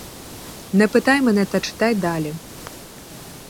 Не питай мене та читай далі.